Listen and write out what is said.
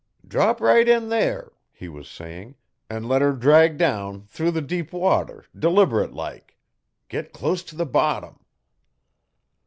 'Drop right in there,' he was saying, 'an' let her drag down, through the deep water, deliberate like. Git clus t' the bottom.'